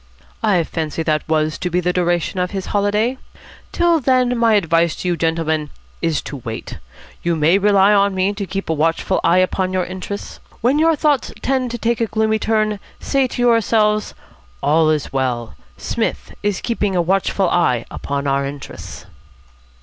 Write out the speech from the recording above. "I fancy that was to be the duration of his holiday. Till then my advice to you gentlemen is to wait. You may rely on me to keep a watchful eye upon your interests. When your thoughts tend to take a gloomy turn, say to yourselves, 'All is well. Psmith is keeping a watchful eye upon our interests.'"